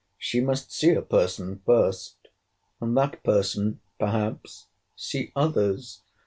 She must see a person first, and that person perhaps see others.